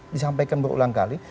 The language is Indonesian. disampaikan berulang kali